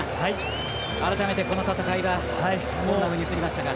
改めて、この戦いはどんなふうに映りましたか。